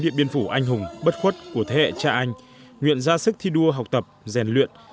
điện biên phủ anh hùng bất khuất của thế hệ cha anh nguyện ra sức thi đua học tập rèn luyện